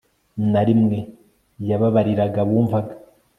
na rimwe, yababariraga abumvaga